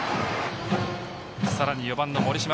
さらに４番の盛島。